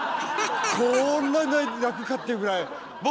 こんなに泣くかっていうぐらい。